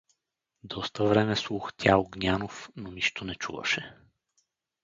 Доста време слухтя Огнянов, но нищо не чуваше.